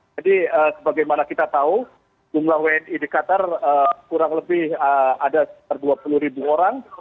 jadi sebagaimana kita tahu jumlah wni di qatar kurang lebih ada dua puluh ribu orang